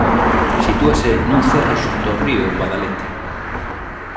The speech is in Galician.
Sitúase nun cerro xunto ao río Guadalete.